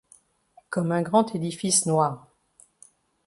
Comme un grand édifice noir